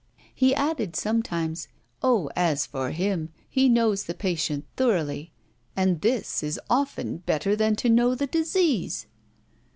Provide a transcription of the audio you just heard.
He added sometimes: "Oh, as for him, he knows the patient thoroughly; and this is often better than to know the disease!"